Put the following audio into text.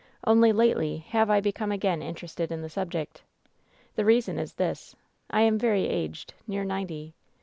Only lately have I be come again interested in the subject. The reason is this: I am very aged, near ninety.